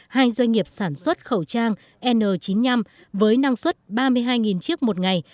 hai doanh nghiệp sản xuất khẩu trang n chín mươi năm với năng suất ba mươi hai chiếc một ngày